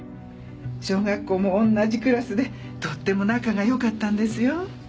小学校も同じクラスでとっても仲が良かったんですよ。